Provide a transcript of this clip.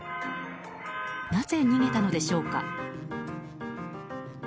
なぜ逃げたのでしょうか？